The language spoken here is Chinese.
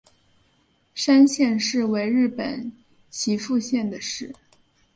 山县市为日本岐阜县的市。